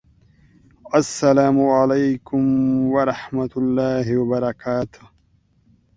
السلام علیکم ورحمة الله وبرکاته